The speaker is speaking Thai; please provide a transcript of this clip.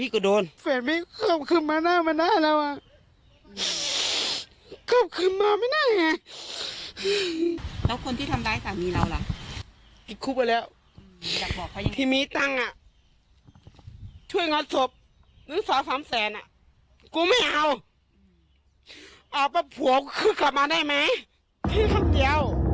ก็ทั้งแหน่งกันได้ค่ะ